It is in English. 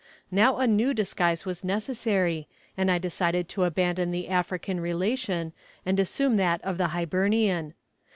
Now a new disguise was necessary, and I decided to abandon the African relation, and assume that of the Hibernian.